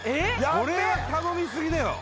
これは頼みすぎだよ